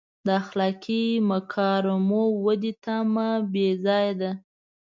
د اخلاقي مکارمو ودې تمه بې ځایه ده.